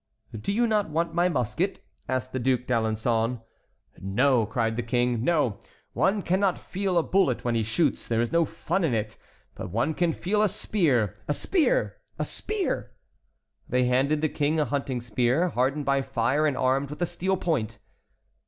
"Do you not want my musket?" said the Duc d'Alençon. "No," cried the King, "no; one cannot feel a bullet when he shoots; there is no fun in it; but one can feel a spear. A spear! a spear!" They handed the King a hunting spear hardened by fire and armed with a steel point.